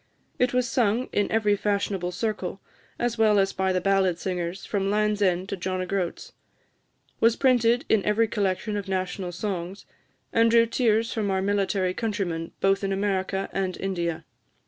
It was sung in every fashionable circle, as well as by the ballad singers, from Land's end to John o' Groat's; was printed in every collection of national songs, and drew tears from our military countrymen both in America and India.